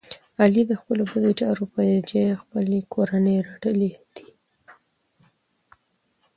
علی د خپلو بد چارو په جه خپلې کورنۍ رټلی دی.